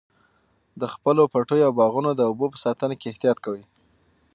د خپلو پټیو او باغونو د اوبو په ساتنه کې احتیاط کوئ.